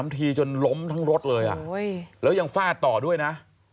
ทีจนล้มทั้งรถเลยแล้วยังฟาดต่อด้วยนะ